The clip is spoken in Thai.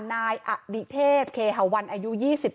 นายอดิเทพเคหาวันอายุ๒๓